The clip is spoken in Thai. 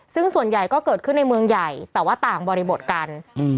ซึ่งส่วนใหญ่ก็เกิดขึ้นในเมืองใหญ่แต่ว่าต่างบริบทกัน